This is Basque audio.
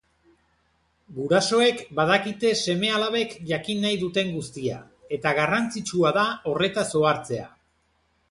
Gurasoek badakite seme-alabek jakin nahi duten guztia eta garrantzitsua da horretaz ohartzea.